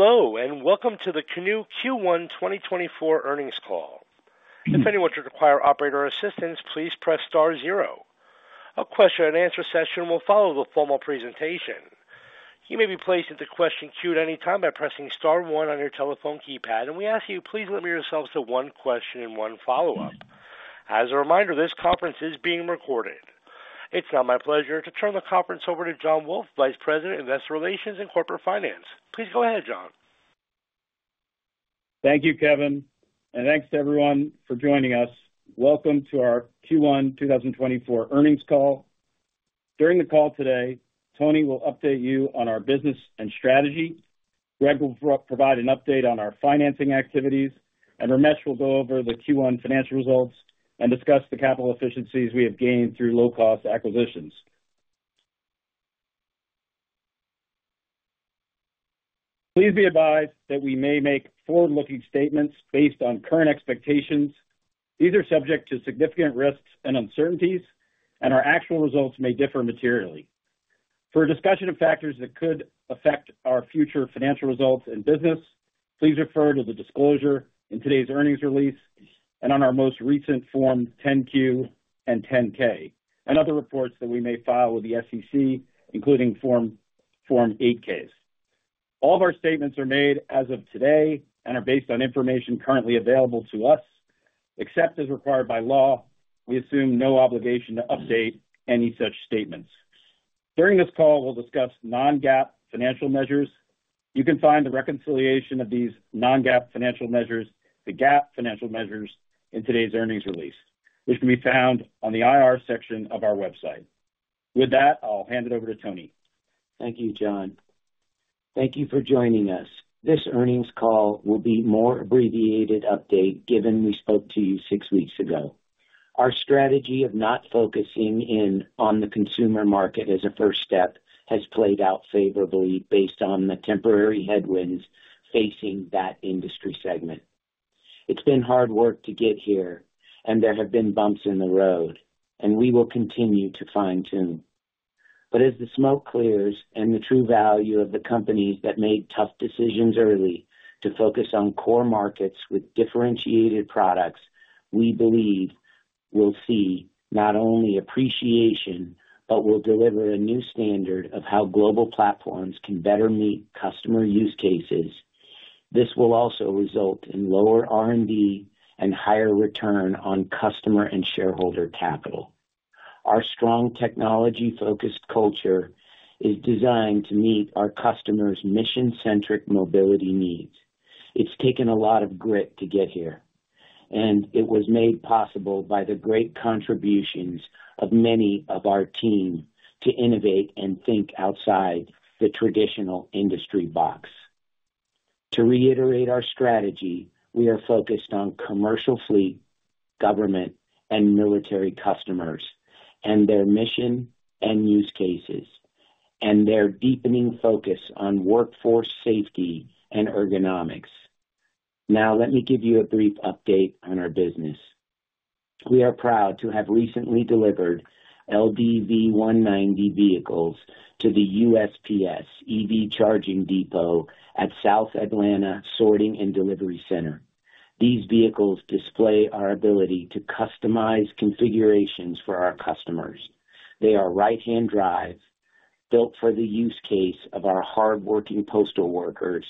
Hello and welcome to the Canoo Q1 2024 Earnings Call. If anyone should require operator assistance, please press star zero. A question and answer session will follow the formal presentation. You may be placed into question queue at any time by pressing star one on your telephone keypad, and we ask you please limit yourselves to one question and one follow-up. As a reminder, this conference is being recorded. It's now my pleasure to turn the conference over to Jon Wolff, Vice President, Investor Relations and Corporate Finance. Please go ahead, Jon. Thank you, Kevin, and thanks to everyone for joining us. Welcome to our Q1 2024 earnings call. During the call today, Tony will update you on our business and strategy, Greg will provide an update on our financing activities, and Ramesh will go over the Q1 financial results and discuss the capital efficiencies we have gained through low-cost acquisitions. Please be advised that we may make forward-looking statements based on current expectations. These are subject to significant risks and uncertainties, and our actual results may differ materially. For a discussion of factors that could affect our future financial results and business, please refer to the disclosure in today's earnings release and on our most recent Form 10-Q and 10-K, and other reports that we may file with the SEC, including Form 8-Ks. All of our statements are made as of today and are based on information currently available to us. Except as required by law, we assume no obligation to update any such statements. During this call, we'll discuss non-GAAP financial measures. You can find the reconciliation of these non-GAAP financial measures, the GAAP financial measures, in today's earnings release, which can be found on the IR section of our website. With that, I'll hand it over to Tony. Thank you, Jon. Thank you for joining us. This earnings call will be a more abbreviated update given we spoke to you six weeks ago. Our strategy of not focusing in on the consumer market as a first step has played out favorably based on the temporary headwinds facing that industry segment. It's been hard work to get here, and there have been bumps in the road, and we will continue to fine-tune. But as the smoke clears and the true value of the companies that made tough decisions early to focus on core markets with differentiated products, we believe we'll see not only appreciation but will deliver a new standard of how global platforms can better meet customer use cases. This will also result in lower R&D and higher return on customer and shareholder capital. Our strong technology-focused culture is designed to meet our customers' mission-centric mobility needs. It's taken a lot of grit to get here, and it was made possible by the great contributions of many of our team to innovate and think outside the traditional industry box. To reiterate our strategy, we are focused on commercial fleet, government, and military customers and their mission and use cases, and their deepening focus on workforce safety and ergonomics. Now, let me give you a brief update on our business. We are proud to have recently delivered LDV 190 vehicles to the USPS EV Charging Depot at South Atlanta Sorting and Delivery Center. These vehicles display our ability to customize configurations for our customers. They are right-hand drive, built for the use case of our hardworking postal workers,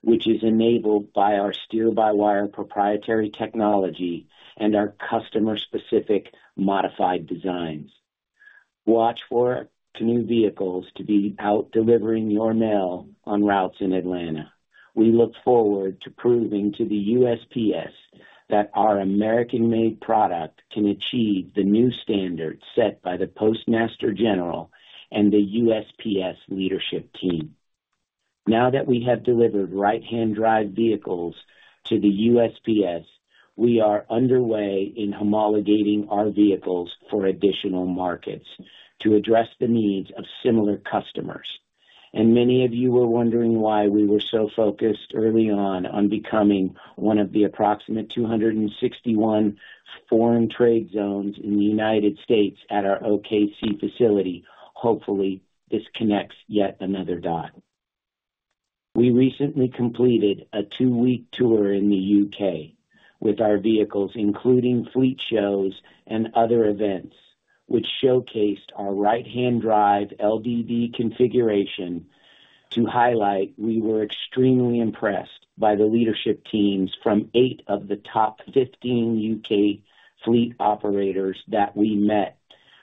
which is enabled by our steer-by-wire proprietary technology and our customer-specific modified designs. Watch for Canoo vehicles to be out delivering your mail on routes in Atlanta. We look forward to proving to the USPS that our American-made product can achieve the new standard set by the Postmaster General and the USPS leadership team. Now that we have delivered right-hand drive vehicles to the USPS, we are underway in homologating our vehicles for additional markets to address the needs of similar customers. And many of you were wondering why we were so focused early on on becoming one of the approximate 261 Foreign-Trade Zones in the United States at our OKC facility. Hopefully, this connects yet another dot. We recently completed a two-week tour in the U.K. with our vehicles, including fleet shows and other events, which showcased our right-hand drive LDV configuration. To highlight, we were extremely impressed by the leadership teams from eight of the top 15 U.K. fleet operators that we met,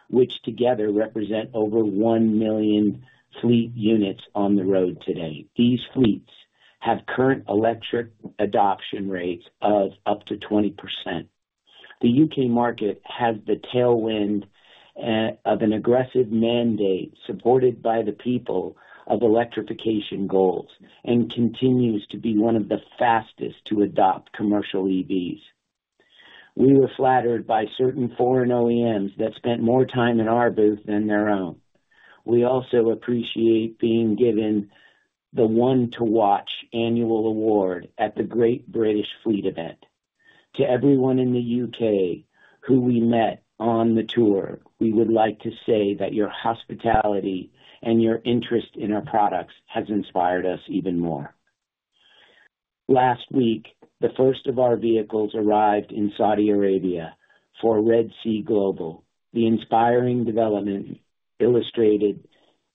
which together represent over 1 million fleet units on the road today. These fleets have current electric adoption rates of up to 20%. The U.K. market has the tailwind of an aggressive mandate supported by the people of electrification goals and continues to be one of the fastest to adopt commercial EVs. We were flattered by certain foreign OEMs that spent more time in our booth than their own. We also appreciate being given the One to Watch annual award at the Great British Fleet Event. To everyone in the U.K. who we met on the tour, we would like to say that your hospitality and your interest in our products has inspired us even more. Last week, the first of our vehicles arrived in Saudi Arabia for Red Sea Global, the inspiring development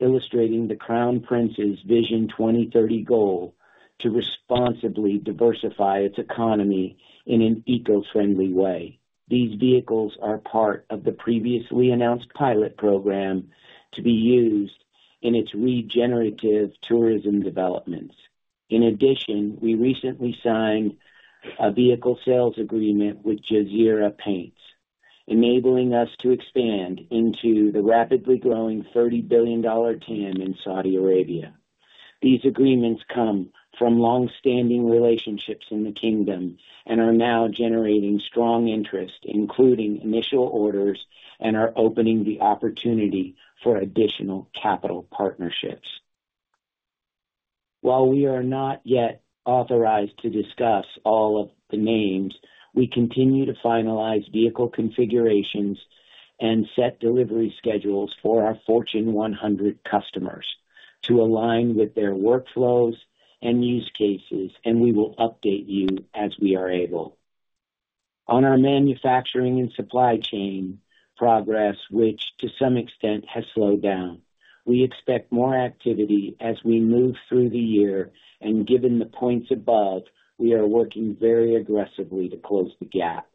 illustrating the Crown Prince's Vision 2030 goal to responsibly diversify its economy in an eco-friendly way. These vehicles are part of the previously announced pilot program to be used in its regenerative tourism developments. In addition, we recently signed a vehicle sales agreement with Jazeera Paints, enabling us to expand into the rapidly growing $30 billion TAM in Saudi Arabia. These agreements come from longstanding relationships in the Kingdom and are now generating strong interest, including initial orders, and are opening the opportunity for additional capital partnerships. While we are not yet authorized to discuss all of the names, we continue to finalize vehicle configurations and set delivery schedules for our Fortune 100 customers to align with their workflows and use cases, and we will update you as we are able. On our manufacturing and supply chain progress, which to some extent has slowed down, we expect more activity as we move through the year, and given the points above, we are working very aggressively to close the gap.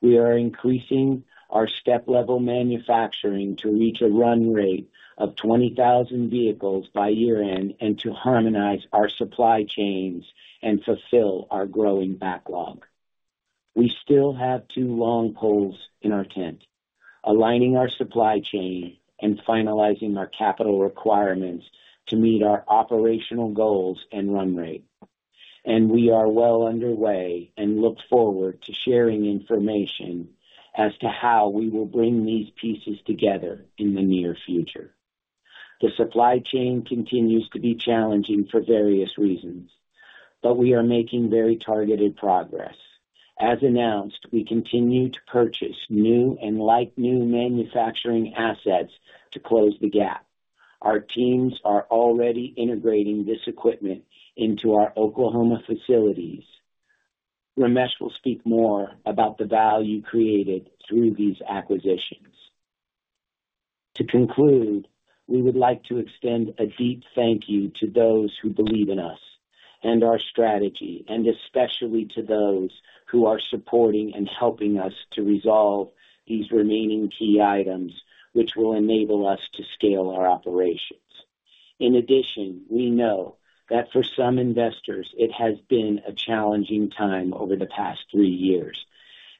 We are increasing our step-level manufacturing to reach a run rate of 20,000 vehicles by year-end and to harmonize our supply chains and fulfill our growing backlog. We still have two long poles in our tent: aligning our supply chain and finalizing our capital requirements to meet our operational goals and run rate. We are well underway and look forward to sharing information as to how we will bring these pieces together in the near future. The supply chain continues to be challenging for various reasons, but we are making very targeted progress. As announced, we continue to purchase new and like-new manufacturing assets to close the gap. Our teams are already integrating this equipment into our Oklahoma facilities. Ramesh will speak more about the value created through these acquisitions. To conclude, we would like to extend a deep thank you to those who believe in us and our strategy, and especially to those who are supporting and helping us to resolve these remaining key items, which will enable us to scale our operations. In addition, we know that for some investors, it has been a challenging time over the past three years,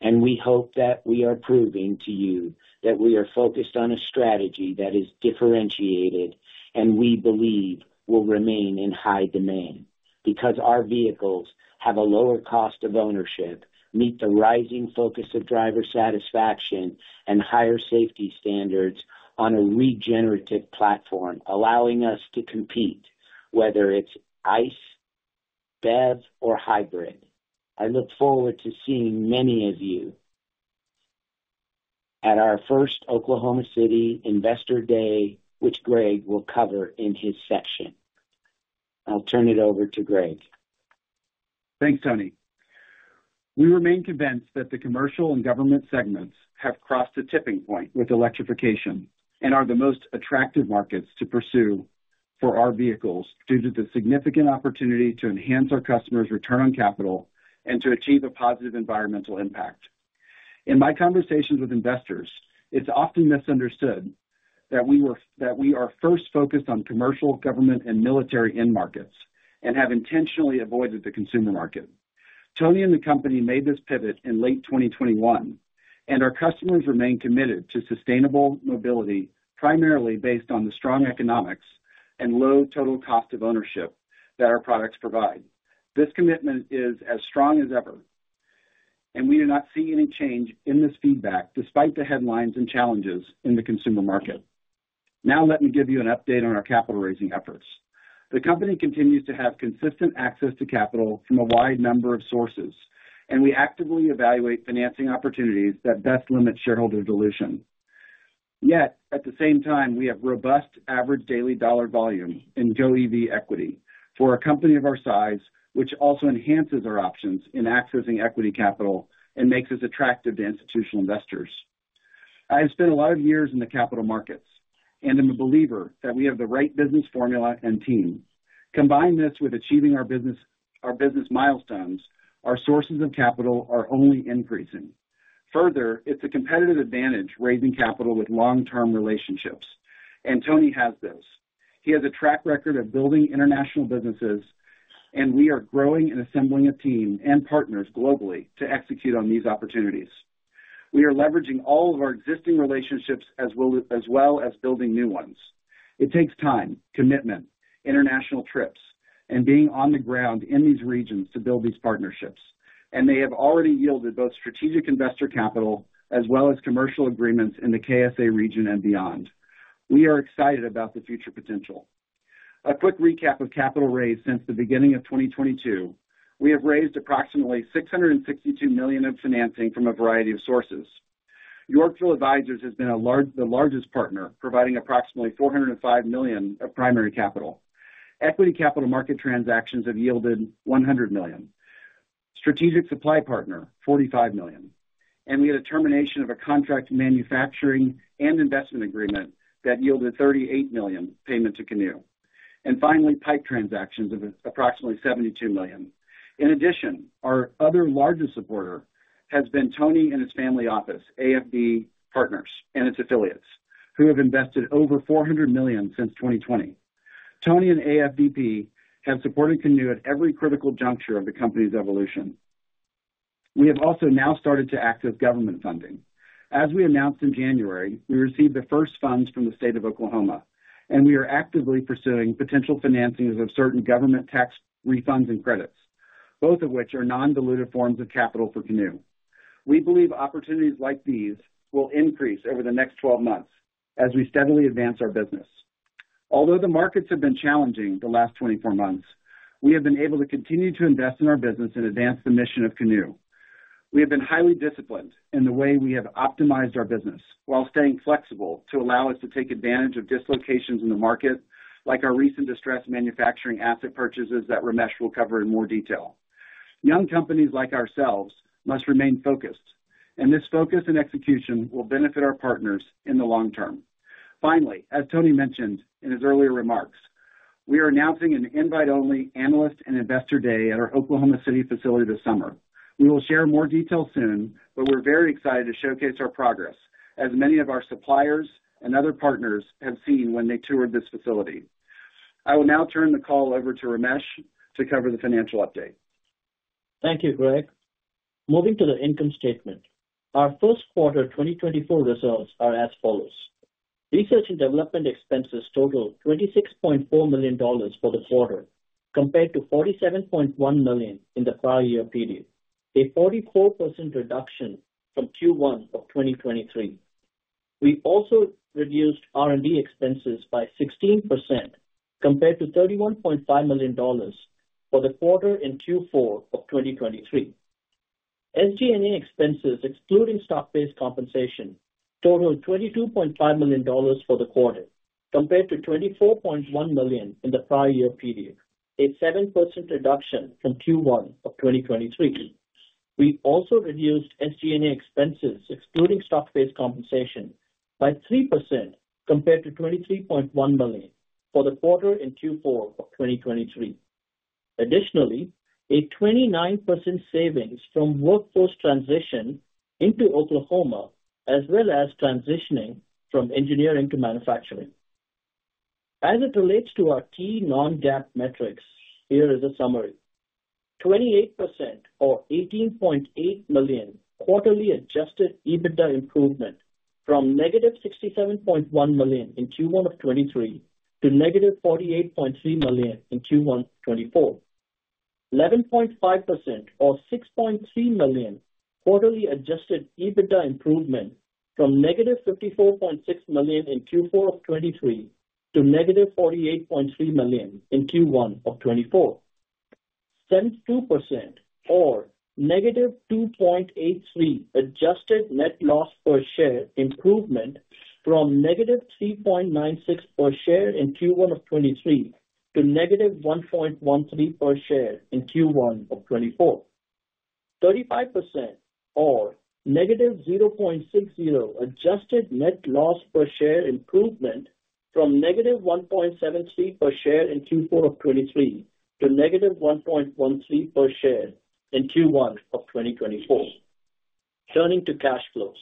and we hope that we are proving to you that we are focused on a strategy that is differentiated and we believe will remain in high demand because our vehicles have a lower cost of ownership, meet the rising focus of driver satisfaction, and higher safety standards on a regenerative platform allowing us to compete, whether it's ICE, BEV, or hybrid. I look forward to seeing many of you at our first Oklahoma City Investor Day, which Greg will cover in his section. I'll turn it over to Greg. Thanks, Tony. We remain convinced that the commercial and government segments have crossed a tipping point with electrification and are the most attractive markets to pursue for our vehicles due to the significant opportunity to enhance our customers' return on capital and to achieve a positive environmental impact. In my conversations with investors, it's often misunderstood that we are first focused on commercial, government, and military end markets and have intentionally avoided the consumer market. Tony and the company made this pivot in late 2021, and our customers remain committed to sustainable mobility, primarily based on the strong economics and low total cost of ownership that our products provide. This commitment is as strong as ever, and we do not see any change in this feedback despite the headlines and challenges in the consumer market. Now, let me give you an update on our capital-raising efforts. The company continues to have consistent access to capital from a wide number of sources, and we actively evaluate financing opportunities that best limit shareholder dilution. Yet, at the same time, we have robust average daily dollar volume in GOEV equity for a company of our size, which also enhances our options in accessing equity capital and makes us attractive to institutional investors. I have spent a lot of years in the capital markets and am a believer that we have the right business formula and team. Combine this with achieving our business milestones. Our sources of capital are only increasing. Further, it's a competitive advantage raising capital with long-term relationships, and Tony has those. He has a track record of building international businesses, and we are growing and assembling a team and partners globally to execute on these opportunities. We are leveraging all of our existing relationships as well as building new ones. It takes time, commitment, international trips, and being on the ground in these regions to build these partnerships, and they have already yielded both strategic investor capital as well as commercial agreements in the KSA region and beyond. We are excited about the future potential. A quick recap of capital raised since the beginning of 2022: we have raised approximately $662 million of financing from a variety of sources. Yorkville Advisors has been the largest partner, providing approximately $405 million of primary capital. Equity capital market transactions have yielded $100 million. Strategic supply partner, $45 million. And we had a termination of a contract manufacturing and investment agreement that yielded $38 million payment to Canoo. And finally, PIPE transactions of approximately $72 million. In addition, our other largest supporter has been Tony and his family office, AFV Partners, and its affiliates, who have invested over $400 million since 2020. Tony and AFV Partners have supported Canoo at every critical juncture of the company's evolution. We have also now started to access government funding. As we announced in January, we received the first funds from the State of Oklahoma, and we are actively pursuing potential financings of certain government tax refunds and credits, both of which are non-dilutive forms of capital for Canoo. We believe opportunities like these will increase over the next 12 months as we steadily advance our business. Although the markets have been challenging the last 24 months, we have been able to continue to invest in our business and advance the mission of Canoo. We have been highly disciplined in the way we have optimized our business while staying flexible to allow us to take advantage of dislocations in the market, like our recent distressed manufacturing asset purchases that Ramesh will cover in more detail. Young companies like ourselves must remain focused, and this focus and execution will benefit our partners in the long term. Finally, as Tony mentioned in his earlier remarks, we are announcing an invite-only Analyst and Investor Day at our Oklahoma City facility this summer. We will share more detail soon, but we're very excited to showcase our progress as many of our suppliers and other partners have seen when they toured this facility. I will now turn the call over to Ramesh to cover the financial update. Thank you, Greg. Moving to the income statement, our first quarter 2024 results are as follows. Research and development expenses totaled $26.4 million for the quarter compared to $47.1 million in the prior year period, a 44% reduction from Q1 of 2023. We also reduced R&D expenses by 16% compared to $31.5 million for the quarter in Q4 of 2023. SG&A expenses, excluding stock-based compensation, totaled $22.5 million for the quarter compared to $24.1 million in the prior year period, a 7% reduction from Q1 of 2023. We also reduced SG&A expenses, excluding stock-based compensation, by 3% compared to $23.1 million for the quarter in Q4 of 2023. Additionally, a 29% savings from workforce transition into Oklahoma, as well as transitioning from engineering to manufacturing. As it relates to our key non-GAAP metrics, here is a summary: 28% or $18.8 million quarterly adjusted EBITDA improvement from -$67.1 million in Q1 of 2023 to -$48.3 million in Q1 2024. 11.5% or $6.3 million quarterly adjusted EBITDA improvement from -$54.6 million in Q4 of 2023 to -$48.3 million in Q1 of 2024. 72% or -$2.83 adjusted net loss per share improvement from -$3.96 per share in Q1 of 2023 to -$1.13 per share in Q1 of 2024. 35% or -$0.60 adjusted net loss per share improvement from -$1.73 per share in Q4 of 2023 to -$1.13 per share in Q1 of 2024. Turning to cash flows,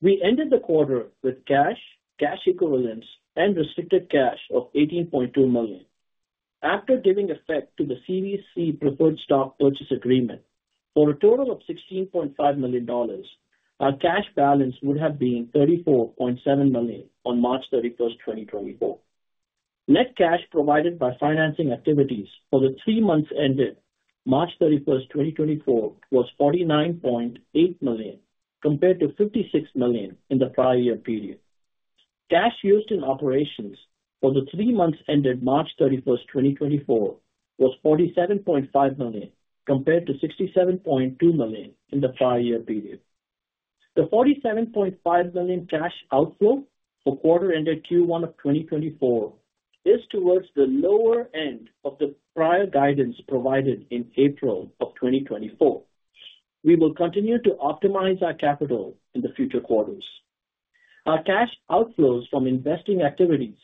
we ended the quarter with cash, cash equivalents, and restricted cash of $18.2 million. After giving effect to the Series C preferred stock purchase agreement for a total of $16.5 million, our cash balance would have been $34.7 million on March 31st, 2024. Net cash provided by financing activities for the three months ended March 31st, 2024, was $49.8 million compared to $56 million in the prior year period. Cash used in operations for the three months ended March 31st, 2024, was $47.5 million compared to $67.2 million in the prior year period. The $47.5 million cash outflow for quarter-ended Q1 of 2024 is towards the lower end of the prior guidance provided in April of 2024. We will continue to optimize our capital in the future quarters. Our cash outflows from investing activities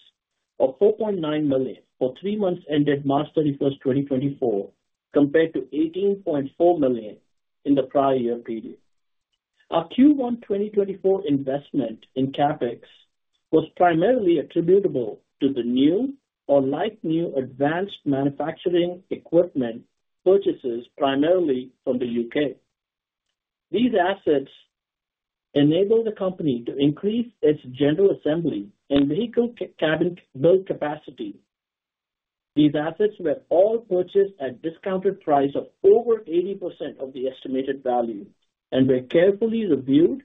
are $4.9 million for three months ended March 31st, 2024, compared to $18.4 million in the prior year period. Our Q1 2024 investment in CapEx was primarily attributable to the new or like-new advanced manufacturing equipment purchases primarily from the U.K. These assets enable the company to increase its general assembly and vehicle cabin build capacity. These assets were all purchased at discounted prices of over 80% of the estimated value and were carefully reviewed,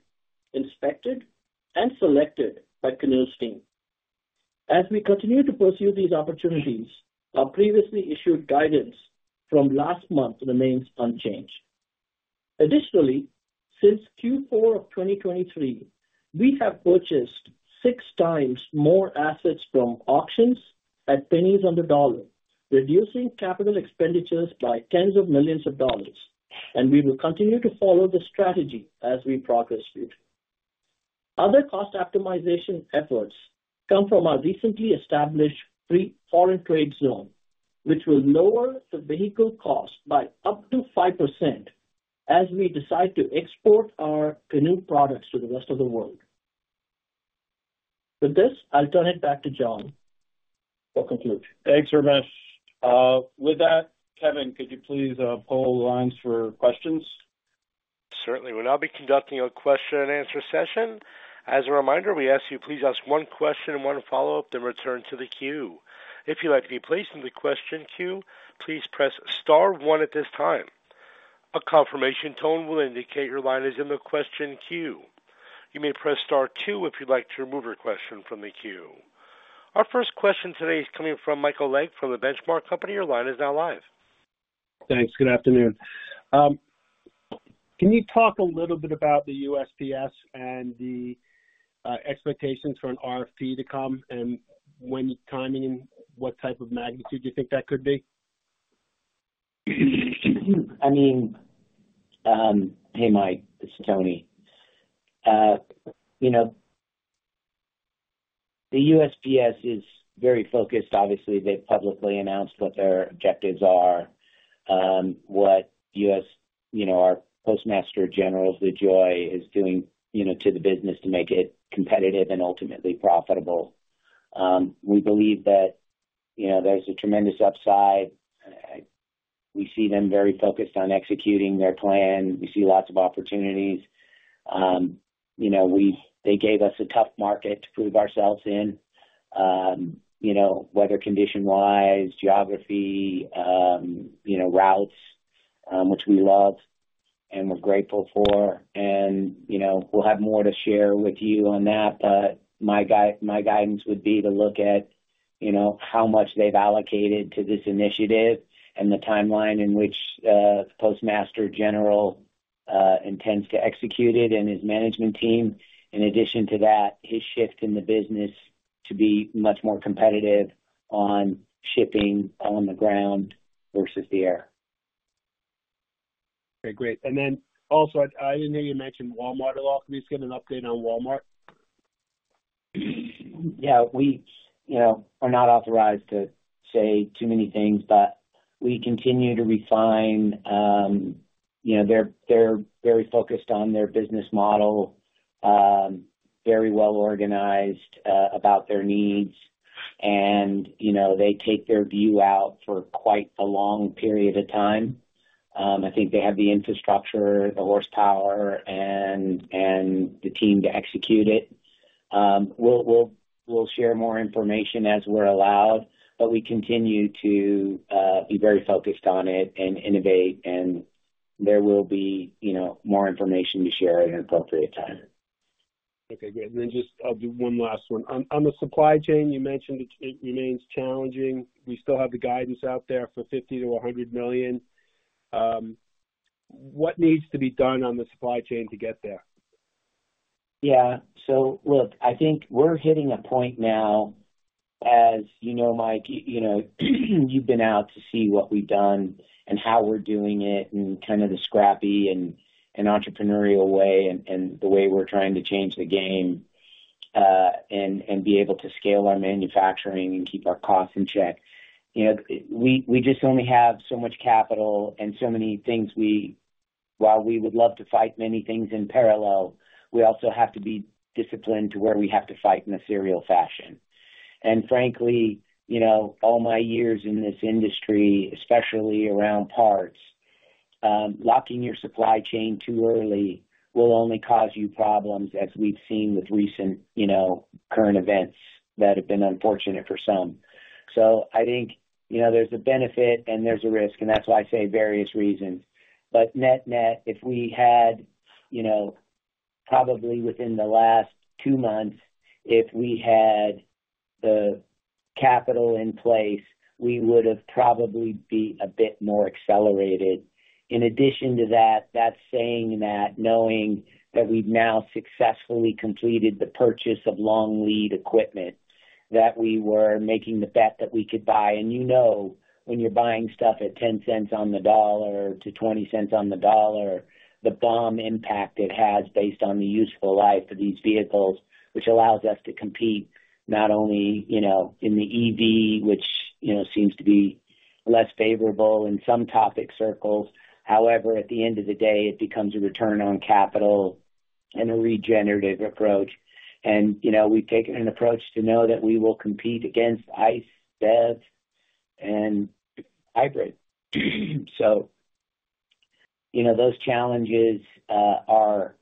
inspected, and selected by Canoo’s team. As we continue to pursue these opportunities, our previously issued guidance from last month remains unchanged. Additionally, since Q4 of 2023, we have purchased six times more assets from auctions at pennies on the dollar, reducing capital expenditures by tens of millions of dollars, and we will continue to follow the strategy as we progress future. Other cost optimization efforts come from our recently established Foreign-Trade Zone, which will lower the vehicle cost by up to 5% as we decide to export our Canoo products to the rest of the world. With this, I'll turn it back to Jon for conclusion. Thanks, Ramesh. With that, Kevin, could you please pull the lines for questions? Certainly. We'll now be conducting a question-and-answer session. As a reminder, we ask you please ask one question and one follow-up, then return to the queue. If you'd like to be placed in the question queue, please press star one at this time. A confirmation tone will indicate your line is in the question queue. You may press star two if you'd like to remove your question from the queue. Our first question today is coming from Michael Legg from The Benchmark Company. Your line is now live. Thanks. Good afternoon. Can you talk a little bit about the USPS and the expectations for an RFP to come and when timing and what type of magnitude you think that could be? I mean, hey, Mike. This is Tony. The USPS is very focused. Obviously, they've publicly announced what their objectives are, what our Postmaster General, Louis DeJoy, is doing to the business to make it competitive and ultimately profitable. We believe that there's a tremendous upside. We see them very focused on executing their plan. We see lots of opportunities. They gave us a tough market to prove ourselves in, weather condition-wise, geography, routes, which we love and we're grateful for. And we'll have more to share with you on that, but my guidance would be to look at how much they've allocated to this initiative and the timeline in which the Postmaster General intends to execute it and his management team. In addition to that, his shift in the business to be much more competitive on shipping on the ground versus the air. Okay. Great. And then also, I didn't hear you mention Walmart at all. Could we just get an update on Walmart? Yeah. We are not authorized to say too many things, but we continue to refine. They're very focused on their business model, very well organized about their needs, and they take their view out for quite a long period of time. I think they have the infrastructure, the horsepower, and the team to execute it. We'll share more information as we're allowed, but we continue to be very focused on it and innovate, and there will be more information to share at an appropriate time. Okay. Great. Then just I'll do one last one. On the supply chain, you mentioned it remains challenging. We still have the guidance out there for $50 million-$100 million. What needs to be done on the supply chain to get there? Yeah. So look, I think we're hitting a point now, as you know, Mike, you've been out to see what we've done and how we're doing it and kind of the scrappy and entrepreneurial way and the way we're trying to change the game and be able to scale our manufacturing and keep our costs in check. We just only have so much capital and so many things. While we would love to fight many things in parallel, we also have to be disciplined to where we have to fight in a serial fashion. And frankly, all my years in this industry, especially around parts, locking your supply chain too early will only cause you problems, as we've seen with recent current events that have been unfortunate for some. So I think there's a benefit, and there's a risk, and that's why I say various reasons. But net-net, if we had probably within the last two months, if we had the capital in place, we would have probably been a bit more accelerated. In addition to that, that's saying that knowing that we've now successfully completed the purchase of long lead equipment, that we were making the bet that we could buy and you know when you're buying stuff at $0.10-$0.20 on the dollar, the BOM impact it has based on the useful life of these vehicles, which allows us to compete not only in the EV, which seems to be less favorable in some topical circles. However, at the end of the day, it becomes a return on capital and a regenerative approach. And we've taken an approach to know that we will compete against ICE, BEV, and hybrid. So those challenges are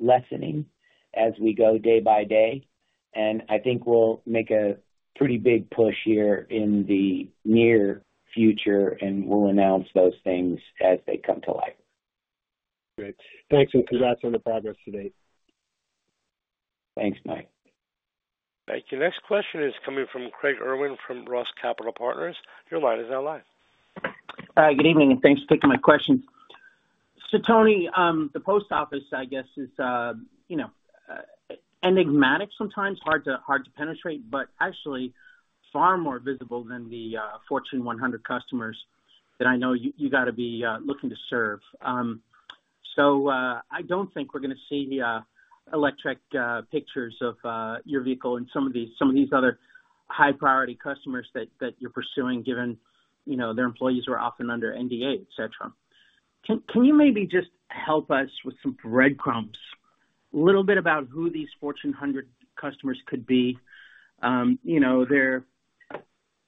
lessening as we go day by day, and I think we'll make a pretty big push here in the near future, and we'll announce those things as they come to life. Great. Thanks and congrats on the progress to date. Thanks, Mike. Thank you. Next question is coming from Craig Irwin from Roth Capital Partners. Your line is now live. Good evening, and thanks for taking my questions. So Tony, the post office, I guess, is enigmatic sometimes, hard to penetrate, but actually far more visible than the Fortune 100 customers that I know you've got to be looking to serve. So I don't think we're going to see public pictures of your vehicle and some of these other high-priority customers that you're pursuing, given their employees are often under NDA, etc. Can you maybe just help us with some breadcrumbs, a little bit about who these Fortune 100 customers could be? There are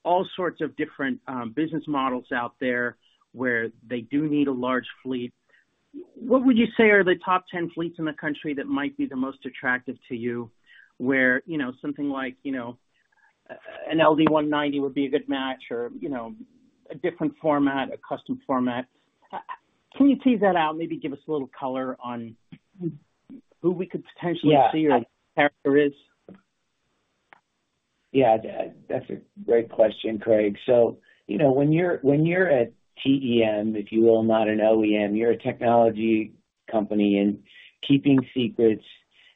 all sorts of different business models out there where they do need a large fleet. What would you say are the top 10 fleets in the country that might be the most attractive to you, where something like an LDV 190 would be a good match or a different format, a custom format? Can you tease that out, maybe give us a little color on who we could potentially see or what the character is? Yeah. That's a great question, Craig. So when you're a TEM, if you will, not an OEM, you're a technology company in keeping secrets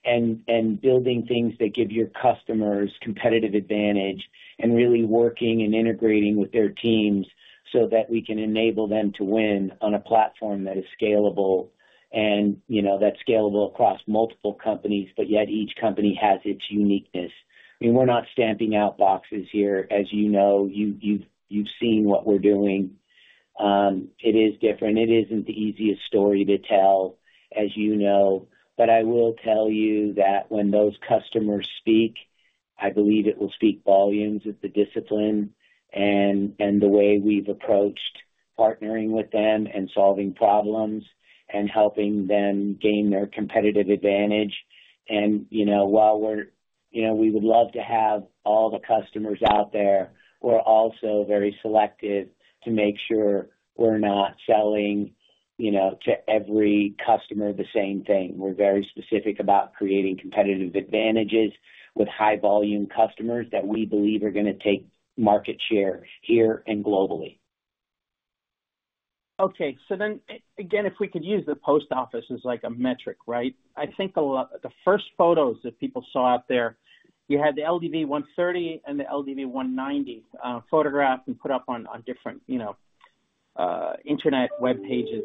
and building things that give your customers competitive advantage and really working and integrating with their teams so that we can enable them to win on a platform that is scalable and that's scalable across multiple companies, but yet each company has its uniqueness. I mean, we're not stamping out boxes here. As you know, you've seen what we're doing. It is different. It isn't the easiest story to tell, as you know. But I will tell you that when those customers speak, I believe it will speak volumes of the discipline and the way we've approached partnering with them and solving problems and helping them gain their competitive advantage. While we would love to have all the customers out there, we're also very selective to make sure we're not selling to every customer the same thing. We're very specific about creating competitive advantages with high-volume customers that we believe are going to take market share here and globally. Okay. So then again, if we could use the post office as a metric, right? I think the first photos that people saw out there, you had the LDV 130 and the LDV 190 photographed and put up on different internet web pages,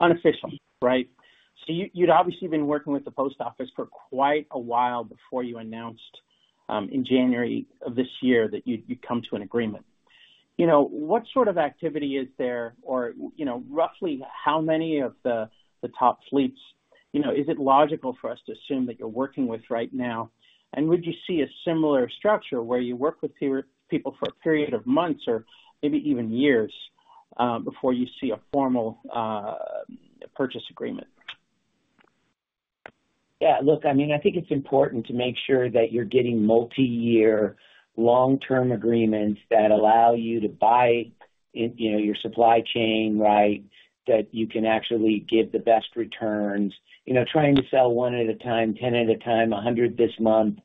unofficial, right? So you'd obviously been working with the post office for quite a while before you announced in January of this year that you'd come to an agreement. What sort of activity is there, or roughly how many of the top fleets? Is it logical for us to assume that you're working with right now? And would you see a similar structure where you work with people for a period of months or maybe even years before you see a formal purchase agreement? Yeah. Look, I mean, I think it's important to make sure that you're getting multi-year, long-term agreements that allow you to buy your supply chain, right, that you can actually give the best returns, trying to sell one at a time, 10 at a time, 100 this month.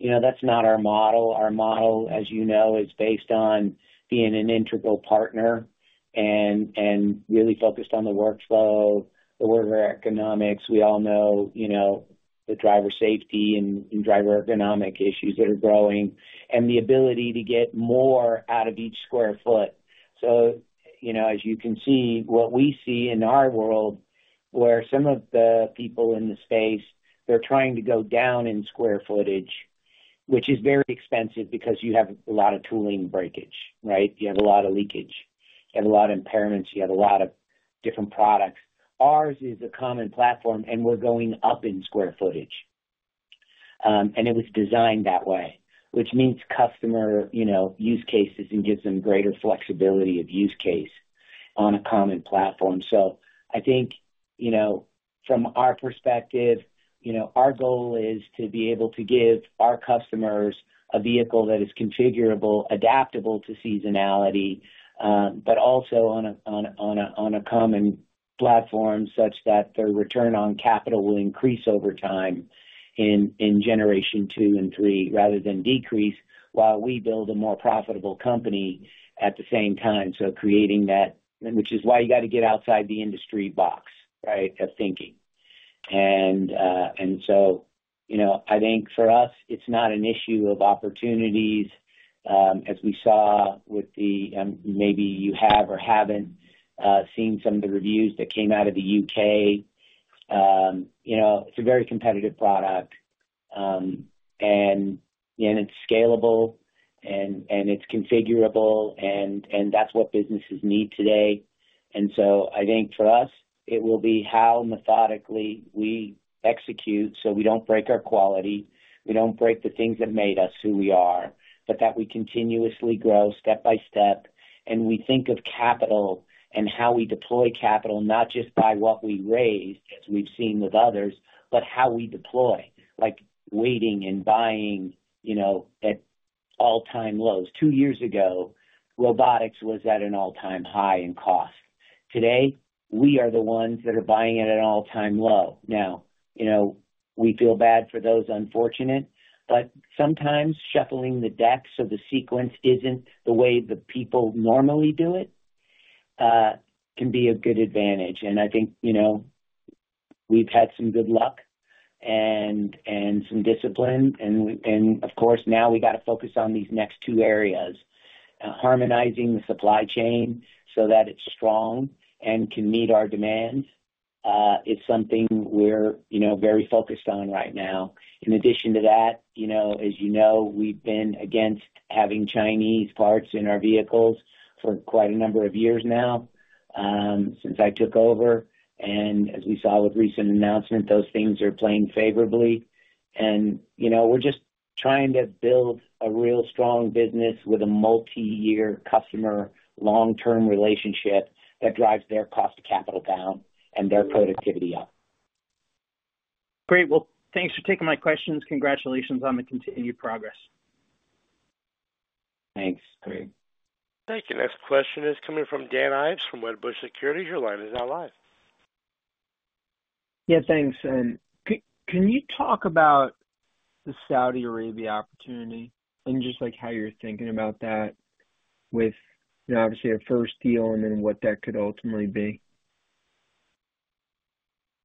That's not our model. Our model, as you know, is based on being an integral partner and really focused on the workflow, the worker economics. We all know the driver safety and driver ergonomic issues that are growing and the ability to get more out of each square foot. So as you can see, what we see in our world, where some of the people in the space, they're trying to go down in square footage, which is very expensive because you have a lot of tooling breakage, right? You have a lot of leakage. You have a lot of impairments. You have a lot of different products. Ours is a common platform, and we're going up in square footage. It was designed that way, which means customer use cases and gives them greater flexibility of use case on a common platform. So I think from our perspective, our goal is to be able to give our customers a vehicle that is configurable, adaptable to seasonality, but also on a common platform such that their return on capital will increase over time in generation two and three rather than decrease while we build a more profitable company at the same time. So creating that, which is why you got to get outside the industry box, right, of thinking. I think for us, it's not an issue of opportunities as we saw with the maybe you have or haven't seen some of the reviews that came out of the U.K. It's a very competitive product, and it's scalable, and it's configurable, and that's what businesses need today. I think for us, it will be how methodically we execute so we don't break our quality, we don't break the things that made us who we are, but that we continuously grow step by step. We think of capital and how we deploy capital, not just by what we raise, as we've seen with others, but how we deploy, like waiting and buying at all-time lows. Two years ago, robotics was at an all-time high in cost. Today, we are the ones that are buying it at an all-time low. Now, we feel bad for those unfortunate, but sometimes shuffling the decks or the sequence isn't the way the people normally do it can be a good advantage. And I think we've had some good luck and some discipline. And of course, now we got to focus on these next two areas. Harmonizing the supply chain so that it's strong and can meet our demands is something we're very focused on right now. In addition to that, as you know, we've been against having Chinese parts in our vehicles for quite a number of years now since I took over. And as we saw with recent announcements, those things are playing favorably. And we're just trying to build a real strong business with a multi-year customer long-term relationship that drives their cost to capital down and their productivity up. Great. Well, thanks for taking my questions. Congratulations on the continued progress. Thanks. Great. Thank you. Next question is coming from Dan Ives from Wedbush Securities. Your line is now live. Yeah. Thanks. Can you talk about the Saudi Arabia opportunity and just how you're thinking about that with obviously a first deal and then what that could ultimately be?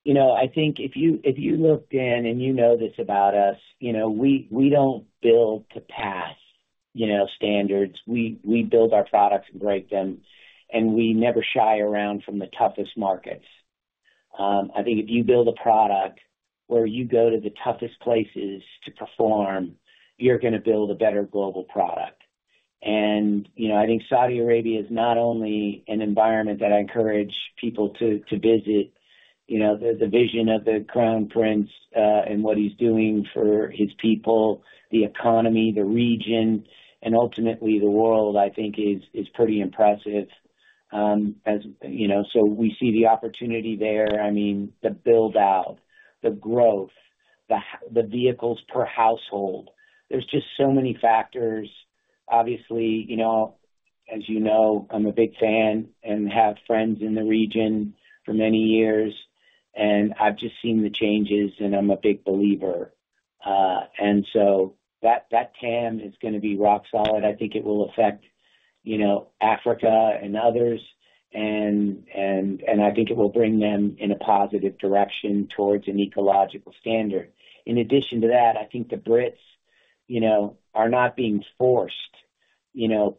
I think if you looked in and you know this about us, we don't build to pass standards. We build our products and break them, and we never shy around from the toughest markets. I think if you build a product where you go to the toughest places to perform, you're going to build a better global product. And I think Saudi Arabia is not only an environment that I encourage people to visit, the vision of the Crown Prince and what he's doing for his people, the economy, the region, and ultimately the world, I think, is pretty impressive. So we see the opportunity there. I mean, the build-out, the growth, the vehicles per household. There's just so many factors. Obviously, as you know, I'm a big fan and have friends in the region for many years, and I've just seen the changes, and I'm a big believer. So that TAM is going to be rock solid. I think it will affect Africa and others, and I think it will bring them in a positive direction towards an ecological standard. In addition to that, I think the Brits are not being forced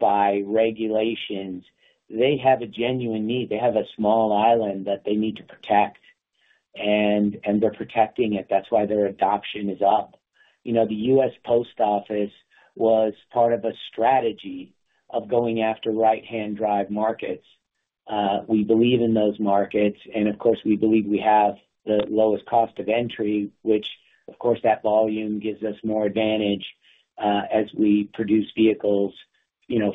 by regulations. They have a genuine need. They have a small island that they need to protect, and they're protecting it. That's why their adoption is up. The U.S. post office was part of a strategy of going after right-hand drive markets. We believe in those markets, and of course, we believe we have the lowest cost of entry, which of course, that volume gives us more advantage as we produce vehicles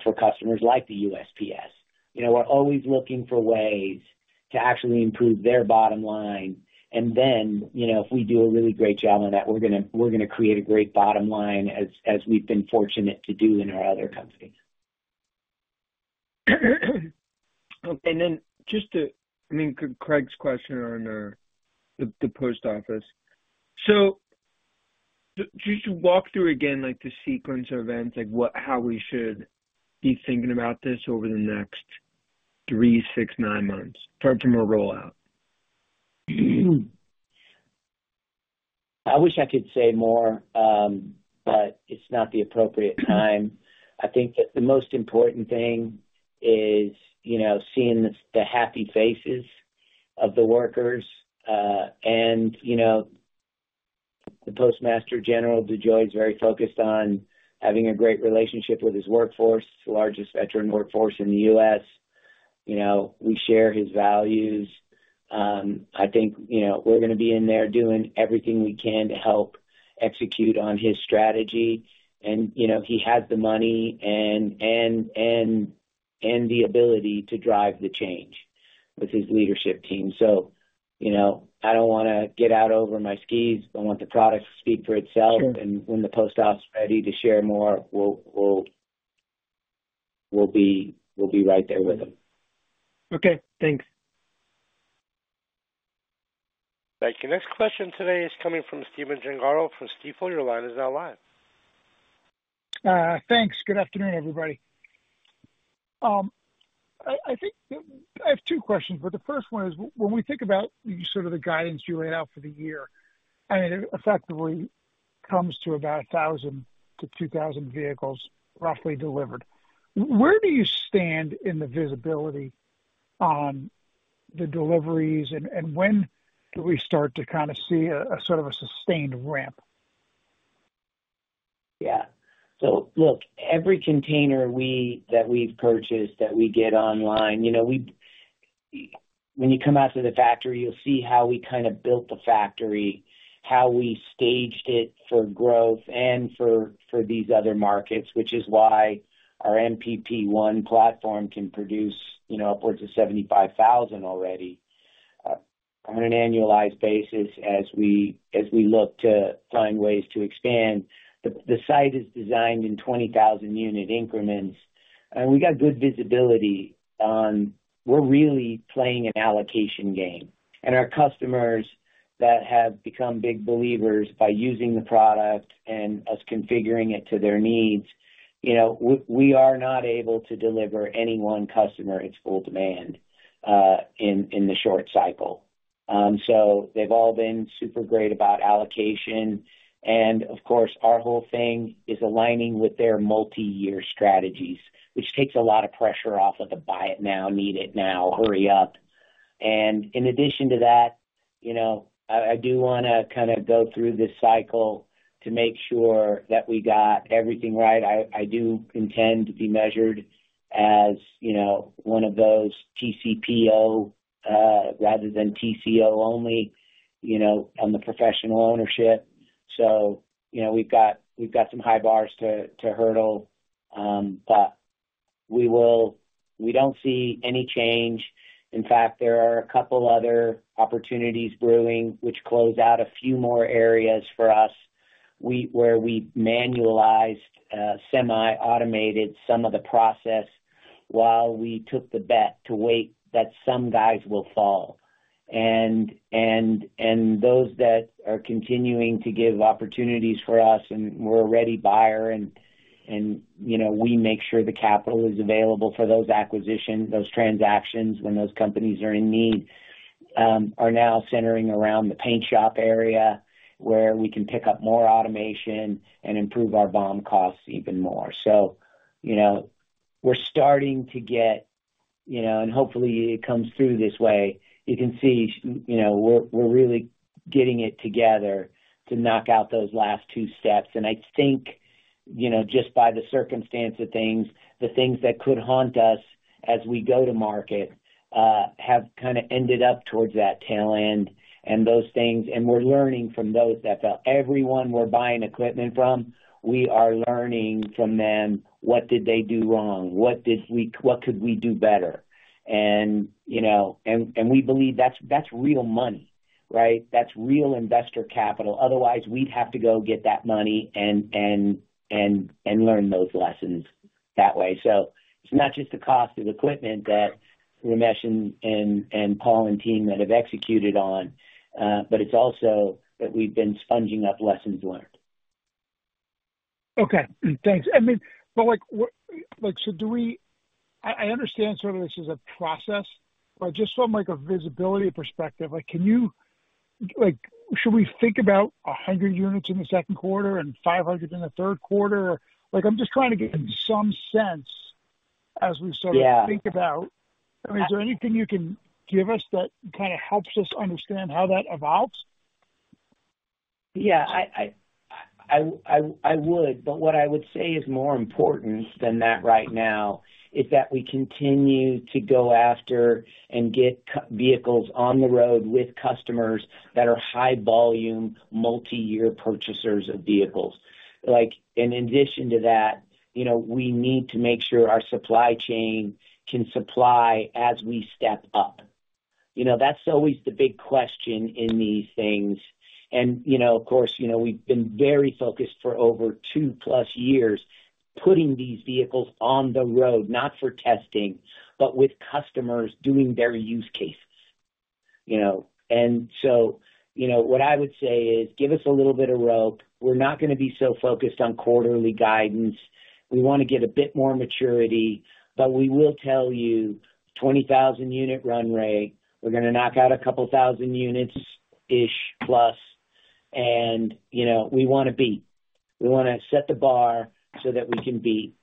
for customers like the USPS. We're always looking for ways to actually improve their bottom line. And then if we do a really great job on that, we're going to create a great bottom line as we've been fortunate to do in our other companies. Okay. And then just to—I mean, Craig's question on the post office. So just walk through again the sequence of events, how we should be thinking about this over the next three, six, nine months from a rollout. I wish I could say more, but it's not the appropriate time. I think that the most important thing is seeing the happy faces of the workers. The Postmaster General, DeJoy, is very focused on having a great relationship with his workforce, largest veteran workforce in the U.S. We share his values. I think we're going to be in there doing everything we can to help execute on his strategy. He has the money and the ability to drive the change with his leadership team. So I don't want to get out over my skis. I want the product to speak for itself. When the post office is ready to share more, we'll be right there with them. Okay. Thanks. Thank you. Next question today is coming from Stephen Gengaro from Stifel. Your line is now live. Thanks. Good afternoon, everybody. I have two questions, but the first one is when we think about sort of the guidance you laid out for the year, I mean, it effectively comes to about 1,000-2,000 vehicles roughly delivered. Where do you stand in the visibility on the deliveries, and when do we start to kind of see sort of a sustained ramp? Yeah. So look, every container that we've purchased that we get online, when you come out to the factory, you'll see how we kind of built the factory, how we staged it for growth and for these other markets, which is why our MPP1 platform can produce upwards of 75,000 already on an annualized basis as we look to find ways to expand. The site is designed in 20,000-unit increments, and we got good visibility on we're really playing an allocation game. And our customers that have become big believers by using the product and us configuring it to their needs, we are not able to deliver any one customer at full demand in the short cycle. So they've all been super great about allocation. Of course, our whole thing is aligning with their multi-year strategies, which takes a lot of pressure off of the buy it now, need it now, hurry up. In addition to that, I do want to kind of go through this cycle to make sure that we got everything right. I do intend to be measured as one of those TCPO rather than TCO only on the professional ownership. So we've got some high bars to hurdle, but we don't see any change. In fact, there are a couple other opportunities brewing, which close out a few more areas for us where we manualized, semi-automated some of the process while we took the bet to wait that some guys will fall. And those that are continuing to give opportunities for us, and we're a ready buyer, and we make sure the capital is available for those acquisitions, those transactions when those companies are in need, are now centering around the paint shop area where we can pick up more automation and improve our BOM costs even more. So we're starting to get and hopefully, it comes through this way. You can see we're really getting it together to knock out those last two steps. And I think just by the circumstance of things, the things that could haunt us as we go to market have kind of ended up towards that tail end and those things. And we're learning from those that fell. Everyone we're buying equipment from, we are learning from them, what did they do wrong? What could we do better? And we believe that's real money, right? That's real investor capital. Otherwise, we'd have to go get that money and learn those lessons that way. So it's not just the cost of equipment that Ramesh and Paul and team that have executed on, but it's also that we've been sponging up lessons learned. Okay. Thanks. I mean, but so do we. I understand sort of this is a process, but just from a visibility perspective, can you should we think about 100 units in the second quarter and 500 in the third quarter? I'm just trying to get some sense as we sort of think about. I mean, is there anything you can give us that kind of helps us understand how that evolves? Yeah. I would, but what I would say is more important than that right now is that we continue to go after and get vehicles on the road with customers that are high-volume multi-year purchasers of vehicles. In addition to that, we need to make sure our supply chain can supply as we step up. That's always the big question in these things. And of course, we've been very focused for over two plus years putting these vehicles on the road, not for testing, but with customers doing their use cases. And so what I would say is give us a little bit of rope. We're not going to be so focused on quarterly guidance. We want to get a bit more maturity, but we will tell you 20,000-unit run rate. We're going to knock out 2,000 units-ish plus, and we want to beat. We want to set the bar so that we can beat,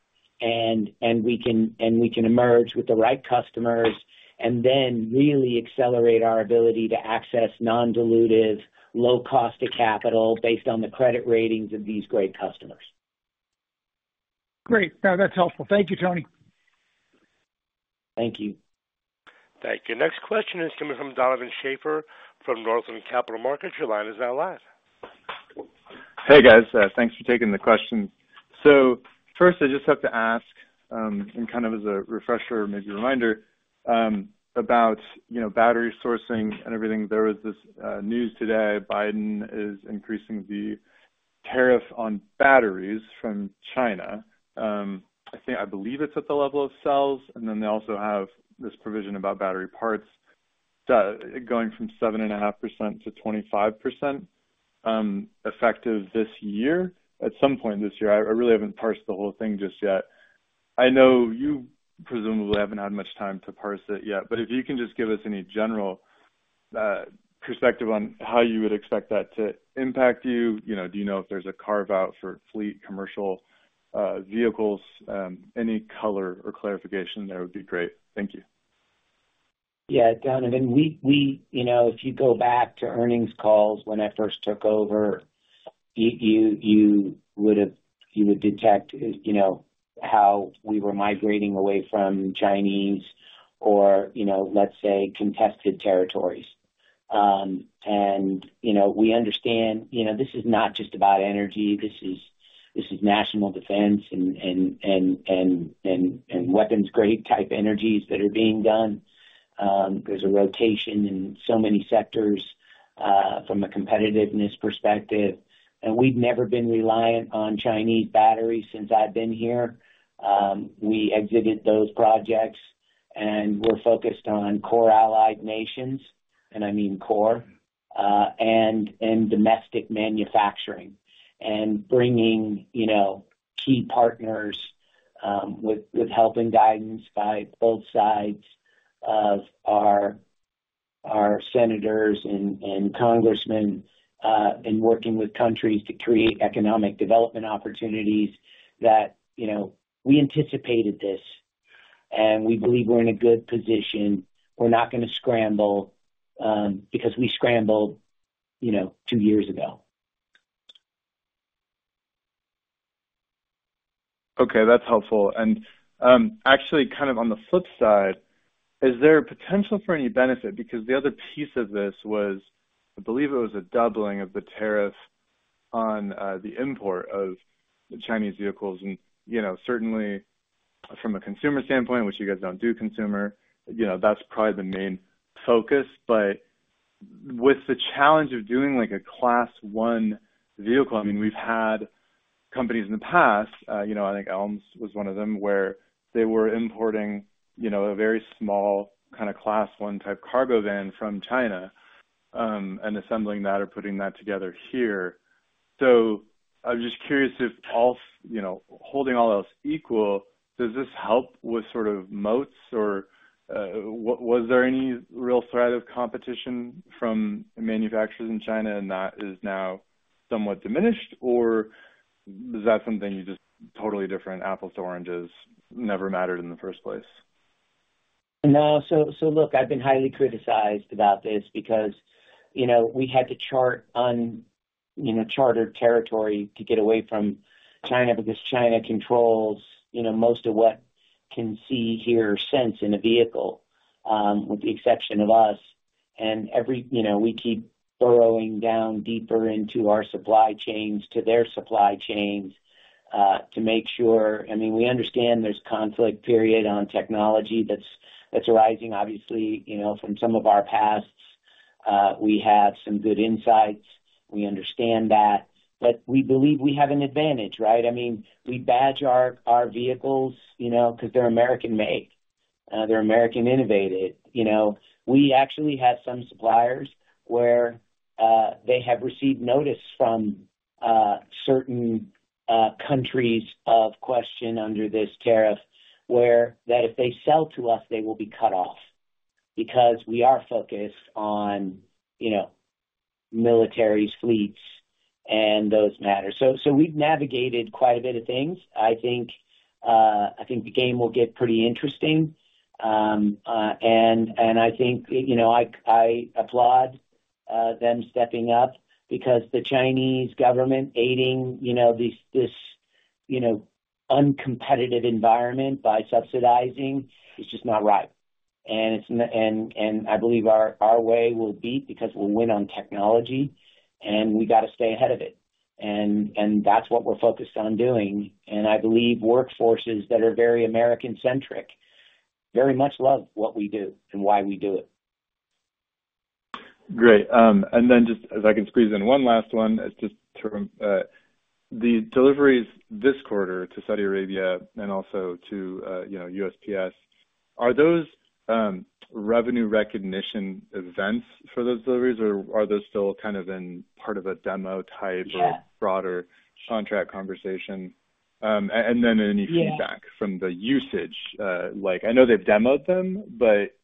and we can emerge with the right customers and then really accelerate our ability to access non-dilutive, low-cost to capital based on the credit ratings of these great customers. Great. That's helpful. Thank you, Tony. Thank you. Thank you. Next question is coming from Donovan Schafer from Northland Capital Markets. Your line is now live. Hey, guys. Thanks for taking the question. So first, I just have to ask and kind of as a refresher, maybe reminder about battery sourcing and everything. There was this news today. Biden is increasing the tariff on batteries from China. I believe it's at the level of cells. And then they also have this provision about battery parts going from 7.5%-25% effective this year. At some point this year. I really haven't parsed the whole thing just yet. I know you presumably haven't had much time to parse it yet, but if you can just give us any general perspective on how you would expect that to impact you, do you know if there's a carve-out for fleet commercial vehicles? Any color or clarification there would be great. Thank you. Yeah, Donovan. If you go back to earnings calls when I first took over, you would detect how we were migrating away from Chinese or, let's say, contested territories. And we understand this is not just about energy. This is national defense and weapons-grade type energies that are being done. There's a rotation in so many sectors from a competitiveness perspective. And we've never been reliant on Chinese batteries since I've been here. We exited those projects, and we're focused on core allied nations - and I mean core - and domestic manufacturing and bringing key partners with help and guidance by both sides of our senators and congressmen and working with countries to create economic development opportunities that we anticipated this, and we believe we're in a good position. We're not going to scramble because we scrambled two years ago. Okay. That's helpful. And actually, kind of on the flip side, is there potential for any benefit? Because the other piece of this was, I believe it was a doubling of the tariff on the import of Chinese vehicles. And certainly, from a consumer standpoint, which you guys don't do consumer, that's probably the main focus. But with the challenge of doing a Class 1 vehicle, I mean, we've had companies in the past - I think ELMS was one of them - where they were importing a very small kind of Class 1 type cargo van from China and assembling that or putting that together here. So I'm just curious if holding all else equal, does this help with sort of moats, or was there any real threat of competition from manufacturers in China, and that is now somewhat diminished? Or is that something you just totally different, apples to oranges, never mattered in the first place? No. So look, I've been highly criticized about this because we had to chart on chartered territory to get away from China because China controls most of what can see here or sense in a vehicle, with the exception of us. And we keep burrowing down deeper into our supply chains to their supply chains to make sure, I mean, we understand there's conflict, period, on technology that's arising. Obviously, from some of our pasts, we have some good insights. We understand that. But we believe we have an advantage, right? I mean, we badge our vehicles because they're American-made. They're American-innovated. We actually have some suppliers where they have received notice from certain countries of question under this tariff that if they sell to us, they will be cut off because we are focused on militaries, fleets, and those matters. So we've navigated quite a bit of things. I think the game will get pretty interesting. I think I applaud them stepping up because the Chinese government aiding this uncompetitive environment by subsidizing is just not right. I believe our way will beat because we'll win on technology, and we got to stay ahead of it. That's what we're focused on doing. I believe workforces that are very American-centric very much love what we do and why we do it. Great. And then just if I can squeeze in one last one, it's just the deliveries this quarter to Saudi Arabia and also to USPS. Are those revenue recognition events for those deliveries, or are those still kind of in part of a demo type or broader contract conversation? And then any feedback from the usage? I know they've demoed them, but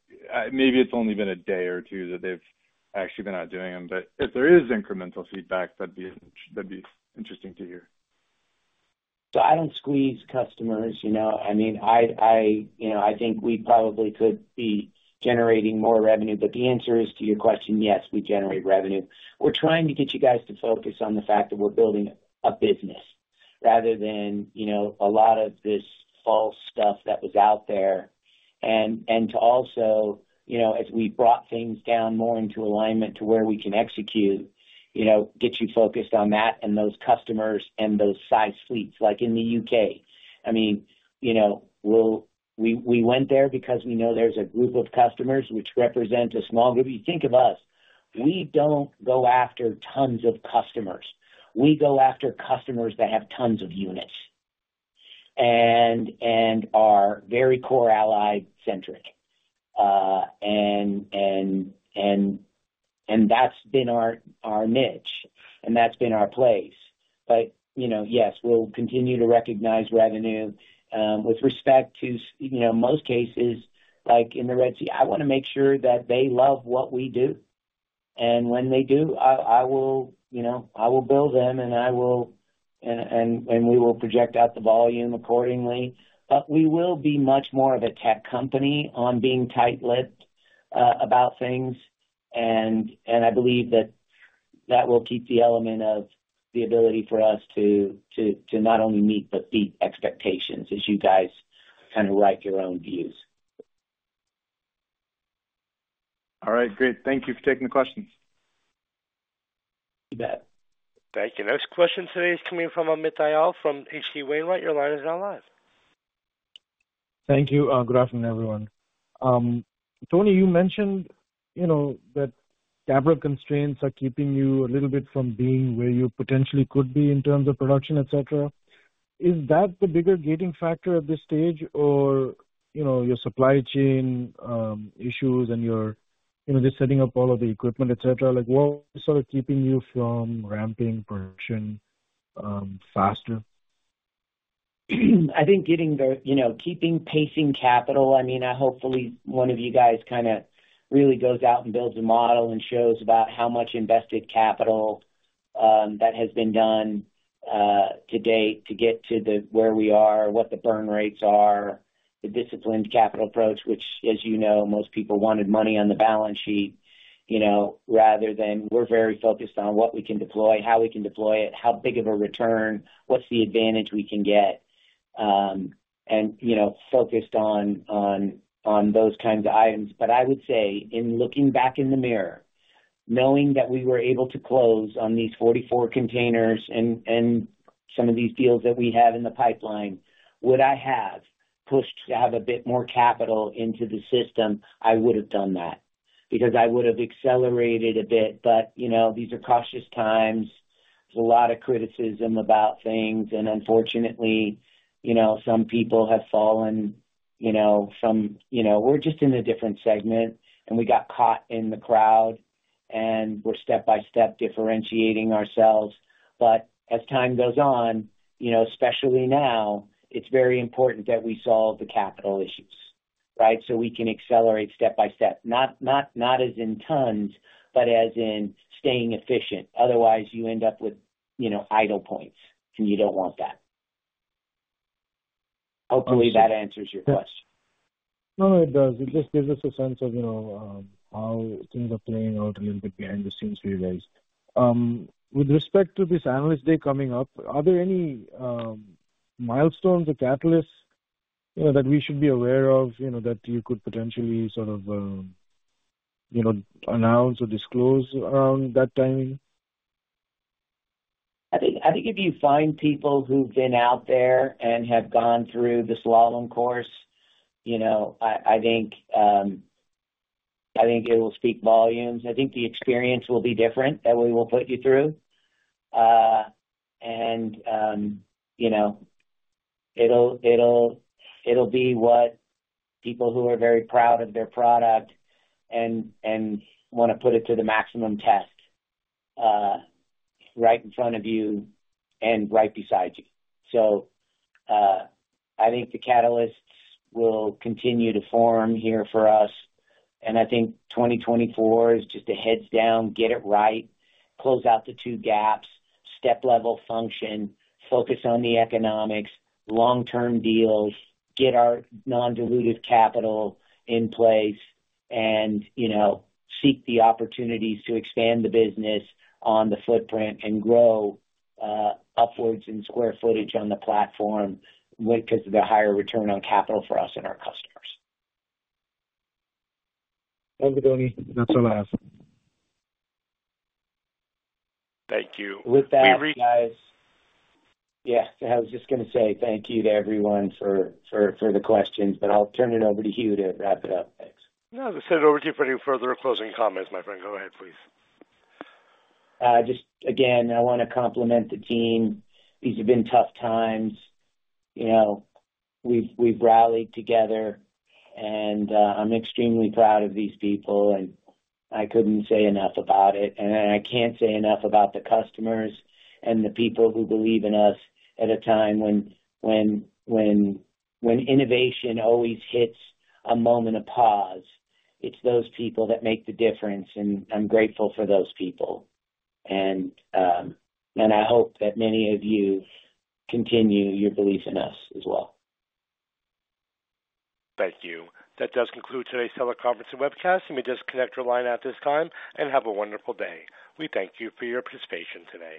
maybe it's only been a day or two that they've actually been out doing them. But if there is incremental feedback, that'd be interesting to hear. So I don't squeeze customers. I mean, I think we probably could be generating more revenue. But the answer is to your question, yes, we generate revenue. We're trying to get you guys to focus on the fact that we're building a business rather than a lot of this false stuff that was out there. And to also, as we brought things down more into alignment to where we can execute, get you focused on that and those customers and those size fleets. Like in the U.K., I mean, we went there because we know there's a group of customers which represent a small group. You think of us. We don't go after tons of customers. We go after customers that have tons of units and are very core ally-centric. And that's been our niche, and that's been our place. But yes, we'll continue to recognize revenue. With respect to most cases in the Red Sea, I want to make sure that they love what we do. And when they do, I will bill them, and we will project out the volume accordingly. But we will be much more of a tech company on being tight-lipped about things. And I believe that that will keep the element of the ability for us to not only meet but beat expectations as you guys kind of write your own views. All right. Great. Thank you for taking the questions. You bet. Thank you. Next question today is coming from Amit Dayal from H.C. Wainwright. Your line is now live. Thank you. Good afternoon, everyone. Tony, you mentioned that capital constraints are keeping you a little bit from being where you potentially could be in terms of production, etc. Is that the bigger gating factor at this stage, or your supply chain issues and just setting up all of the equipment, etc.? What's sort of keeping you from ramping production faster? I think keeping pacing capital. I mean, hopefully, one of you guys kind of really goes out and builds a model and shows about how much invested capital that has been done to date to get to where we are, what the burn rates are, the disciplined capital approach, which, as you know, most people wanted money on the balance sheet rather than we're very focused on what we can deploy, how we can deploy it, how big of a return, what's the advantage we can get, and focused on those kinds of items. But I would say, in looking back in the mirror, knowing that we were able to close on these 44 containers and some of these deals that we have in the pipeline, would I have pushed to have a bit more capital into the system, I would have done that because I would have accelerated a bit. But these are cautious times. There's a lot of criticism about things. And unfortunately, some people have fallen from we're just in a different segment, and we got caught in the crowd, and we're step-by-step differentiating ourselves. But as time goes on, especially now, it's very important that we solve the capital issues, right, so we can accelerate step-by-step. Not as in tons, but as in staying efficient. Otherwise, you end up with idle points, and you don't want that. Hopefully, that answers your question. No, it does. It just gives us a sense of how things are playing out a little bit behind the scenes for you guys. With respect to this analyst day coming up, are there any milestones or catalysts that we should be aware of that you could potentially sort of announce or disclose around that timing? I think if you find people who've been out there and have gone through this slalom course, I think it will speak volumes. I think the experience will be different that we will put you through. And it'll be what people who are very proud of their product and want to put it to the maximum test right in front of you and right beside you. So I think the catalysts will continue to form here for us. And I think 2024 is just a heads down, get it right, close out the two gaps, step-level function, focus on the economics, long-term deals, get our non-dilutive capital in place, and seek the opportunities to expand the business on the footprint and grow upwards in square footage on the platform because of the higher return on capital for us and our customers. Thank you, Tony. That's all I have. Thank you. With that, guys. Yeah. I was just going to say thank you to everyone for the questions. But I'll turn it over to you to wrap it up. Thanks. No, I'll just send it over to you for any further closing comments, my friend. Go ahead, please. Just again, I want to compliment the team. These have been tough times. We've rallied together, and I'm extremely proud of these people. I couldn't say enough about it. I can't say enough about the customers and the people who believe in us at a time when innovation always hits a moment of pause. It's those people that make the difference, and I'm grateful for those people. I hope that many of you continue your belief in us as well. Thank you. That does conclude today's teleconference and webcast. You may disconnect your line at this time and have a wonderful day. We thank you for your participation today.